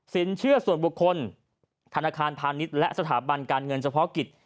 เชื่อส่วนบุคคลธนาคารพาณิชย์และสถาบันการเงินเฉพาะกิจ